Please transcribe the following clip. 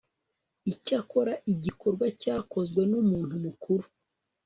Icyakora igikorwa cyakozwe n umuntu mukuru